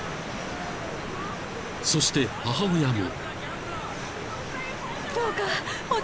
［そして母親も］